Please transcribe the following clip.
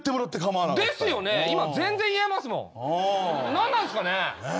何なんすかね。